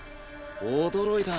驚いた。